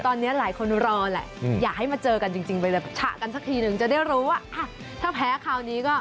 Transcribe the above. ตอนนี้หลายคนรอแหละอยากให้มาเจอกันจริงไปเลยฉะกันสักทีหนึ่งจะได้รู้ว่าถ้าแพ้คราวนี้ก็